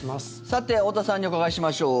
さて太田さんにお伺いしましょう。